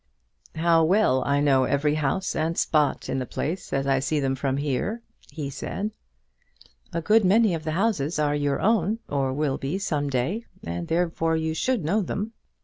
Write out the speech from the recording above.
"How well I know every house and spot in the place as I see them from here," he said. "A good many of the houses are your own, or will be some day; and therefore you should know them."